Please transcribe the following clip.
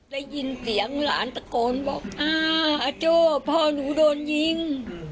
ได้ยินเสียงหลานตะโกนบอกอ่าโจ้พ่อหนูโดนยิง